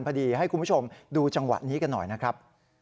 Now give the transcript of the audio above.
พอดีให้คุณผู้ชมดูจังหวะนี้กันหน่อยนะครับ